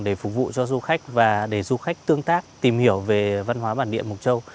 để phục vụ cho du khách và để du khách tương tác tìm hiểu về văn hóa bản địa mục châu